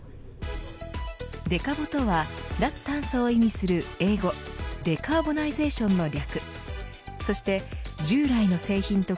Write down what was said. デカボとは脱炭素を意味する英語Ｄｅｃａｒｂｏｎｉｚａｔｉｏｎの略。